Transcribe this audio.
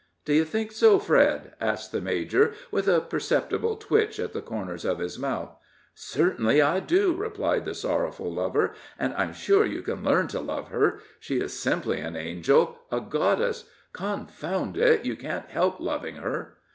"Do you think so, Fred?" asked the major, with a perceptible twitch at the corners of his mouth. "Certainly, I do," replied the sorrowful lover; "and I'm sure you can learn to love her; she is simply an angel a goddess. Confound it! you can't help loving her."